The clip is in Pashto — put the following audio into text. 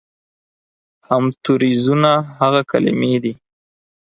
همتوریزونه هغه کلمې دي